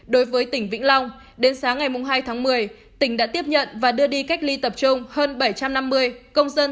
đối với tỉnh vĩnh long đến sáng ngày hai tháng một mươi tỉnh đã tiếp nhận và đưa đi cách ly tập trung hơn bảy trăm năm mươi công dân